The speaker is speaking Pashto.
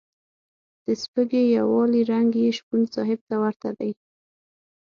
د سبکي یوالي رنګ یې شپون صاحب ته ورته دی.